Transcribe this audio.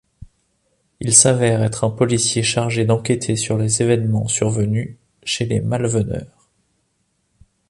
Il s’avère être un policier chargé d’enquêter sur les évènements survenus chez les Malveneur.